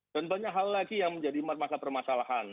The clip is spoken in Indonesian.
dan banyak hal lagi yang menjadi masalah masalahan